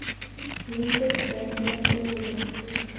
Мӱндыр таҥет уло гын